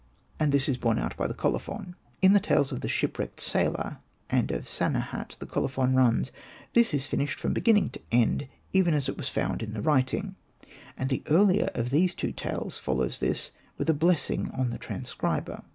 And this is borne out by the colophon. In the tales of the Shipwrecked Sailor, and of Sanehat, the colophon runs —" This is finished from beginning to end, even as it was found in the writing," and the earlier of these two tales follows this with a blessing on the tran scriber.